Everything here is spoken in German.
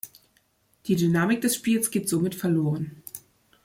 Die Dynamik des Spiels geht somit verloren.